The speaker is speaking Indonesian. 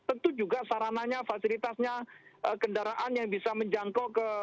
tentu juga sarananya fasilitasnya kendaraan yang bisa menjangkau ke